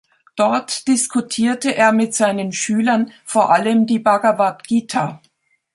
Dort diskutierte er mit seinen Schülern vor allem die Bhagavad Gita.